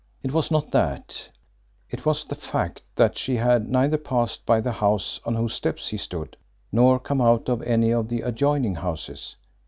It was not that it was the fact that she had neither passed by the house on whose steps he stood, nor come out of any of the adjoining houses.